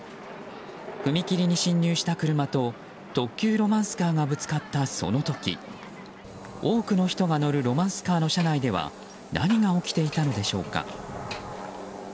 踏切に進入した車と特急ロマンスカーがぶつかったその時多くの人が乗るロマンスカーの車内では何が起きていたのでしょうか。